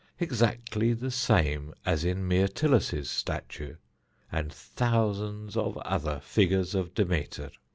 Exactly the same as in Myrtilus's statue, and thousands of other figures of Demeter!